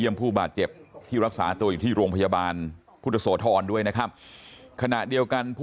อืมไม่เคยมีอยู่แล้ว